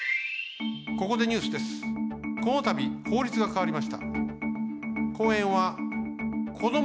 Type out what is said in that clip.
ここでニュースです。